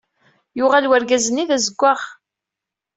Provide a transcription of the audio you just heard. Yuɣal wergaz-nni d azewwaɣ.